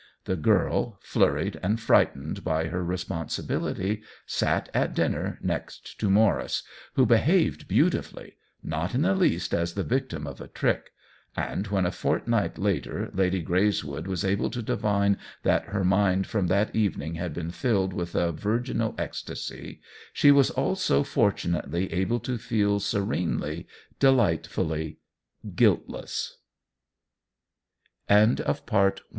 The girl, flurried and frightened by her responsibility, sat at dinner next to Maurice, who behaved beautifully — not in the least as the victim of a trick ; and when a fortnight later Lady Greyswood was able to divine that her mind from that evening had been filled with a virginal ecstasy, she was also fortunately able to fe